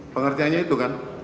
pengertiannya itu kan